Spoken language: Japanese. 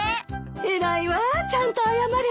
偉いわちゃんと謝れて。